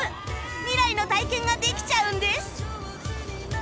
未来の体験ができちゃうんです